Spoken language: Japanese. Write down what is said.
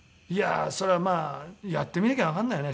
そりゃまあやってみなきゃわかんないよね